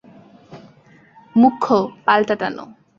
ম্যুখ্য পালটা টানো!